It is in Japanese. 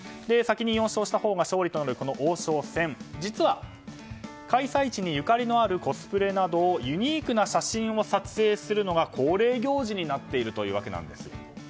先に４勝したほうが勝者となる王将戦実は、開催地にゆかりのあるコスプレなどをしたユニークな写真を撮影するのが恒例行事になっているというわけです。